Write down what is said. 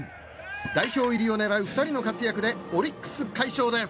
代表入りを狙う２人の活躍でオリックス快勝です。